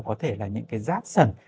có thể là những cái rát sần